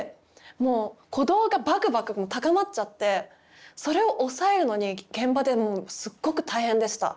もう鼓動がバクバク高まっちゃってそれを抑えるのに現場でもうすっごく大変でした。